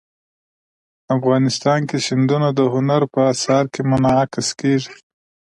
افغانستان کې سیندونه د هنر په اثار کې منعکس کېږي.